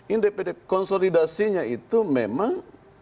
ini dpd konsolidasinya itu memang